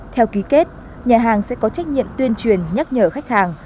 theo ký kết nhà hàng sẽ có trách nhiệm tuyên truyền nhắc nhở khách hàng